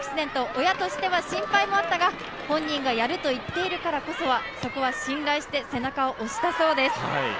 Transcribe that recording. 親としては心配もあったが本人がやると言っているからそこは信頼して背中を押したそうです。